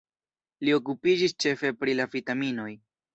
Li okupiĝis ĉefe pri la vitaminoj.